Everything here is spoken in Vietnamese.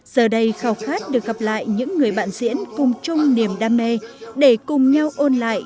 giờ đây khảo khát được gặp lại những người bạn diễn cùng chung niềm đam mê để cùng nhau ôn lại